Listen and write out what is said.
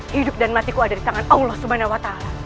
hidup dan matiku ada di tangan allah swt